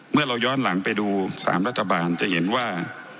เมื่อเราย้อนหลังไปดู๓รัฐบาลจะเห็นว่า